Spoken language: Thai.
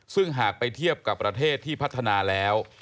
ซึ่งหากไปเทียบกับประเทศที่พัฒนาแล้ว